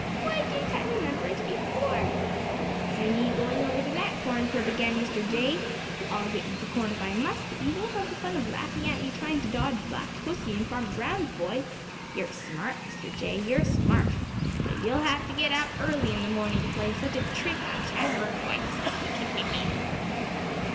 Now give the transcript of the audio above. "Why didn't I remember it before? You won't see me going over to that corn crib again, Mr. Jay! I'll get you the corn if I must, but you won't have the fun of laughing at me trying to dodge Black Pussy and Farmer Brown's boy. You're smart, Mr. Jay! You're smart, but you've got to get up early in the morning to play such a trick on Chatterer twice."